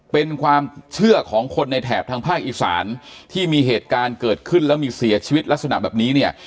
เป็นความเชื่อของคนในแถบทางภาคอีสานที่มีเหตุการณ์เกิดขึ้นแล้วมีเสียชีวิตลักษณะแบบนี้เนี่ย